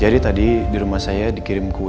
jadi tadi di rumah saya dikirim kue ren